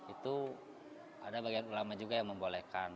itu ada bagian ulama juga yang membolehkan